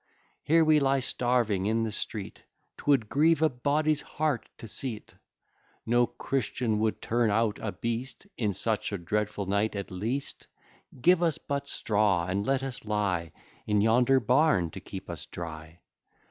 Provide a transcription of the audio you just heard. Here we lie starving in the street, 'Twould grieve a body's heart to see't, No Christian would turn out a beast, In such a dreadful night at least; Give us but straw and let us lie In yonder barn to keep us dry."